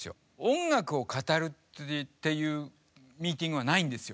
音楽を語るっていうミーティングはないんですよ。